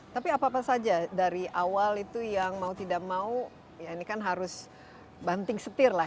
tapi apa apa saja dari awal itu yang mau tidak mau ya ini kan harus banting setir lah